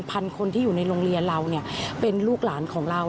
คนที่อยู่ในโรงเรียนเราเนี่ยเป็นลูกหลานของเรา